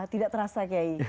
tidak terasa kiai